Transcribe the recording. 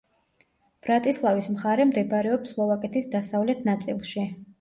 ბრატისლავის მხარე მდებარეობს სლოვაკეთის დასავლეთ ნაწილში.